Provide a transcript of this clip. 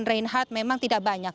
reinhardt memang tidak banyak